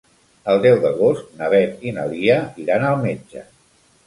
El deu d'agost na Beth i na Lia iran al metge.